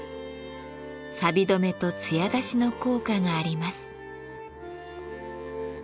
さび止めと艶出しの効果があります。